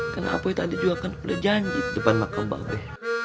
karena aku tadi juga kan udah janji depan makam mbak be